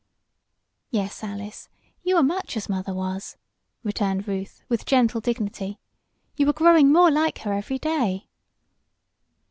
"Yes, Alice, you are much as mother was," returned Ruth, with gentle dignity. "You are growing more like her every day."